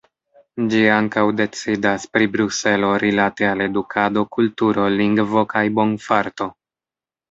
Ĝi ankaŭ decidas pri Bruselo rilate al edukado, kulturo, lingvo kaj bonfarto.